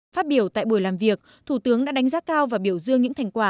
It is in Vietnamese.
phát biểu tại buổi làm việc thủ tướng đã đánh giá cao và biểu dương những thành quả